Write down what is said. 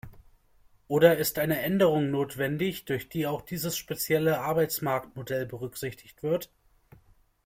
Oder ist eine Änderung notwendig, durch die auch dieses spezielle Arbeitsmarktmodell berücksichtigt wird?